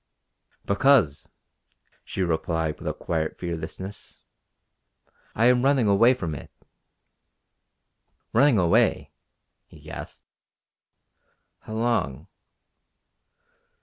"Because," she replied with quiet fearlessness, "I am running away from it." "Running away!" he gasped. "How long...."